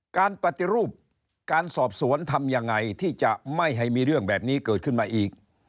การปฏิรูปการสอบสวนทำยังไงที่จะไม่ให้มีเรื่องแบบนี้เกิดขึ้นมาอีก